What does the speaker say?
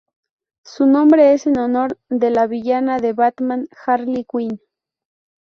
Su nombre es en honor de la villana de Batman, Harley Quinn.